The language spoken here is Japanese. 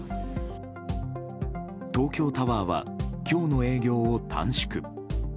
東京タワーは今日の営業を短縮。